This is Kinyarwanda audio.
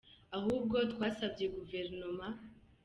ahubwo twasabye Guverinoma.